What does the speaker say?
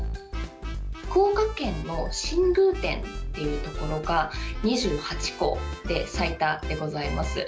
福岡県の新宮店っていうところが、２８個で最多でございます。